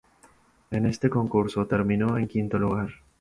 En este concurso terminó en quinto lugar.